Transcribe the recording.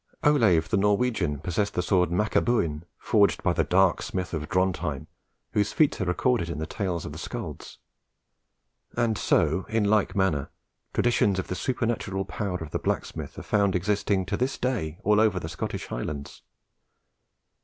Olave the Norwegian possessed the sword "Macabuin," forged by the dark smith of Drontheim, whose feats are recorded in the tales of the Scalds. And so, in like manner, traditions of the supernatural power of the blacksmith are found existing to this day all over the Scottish Highlands.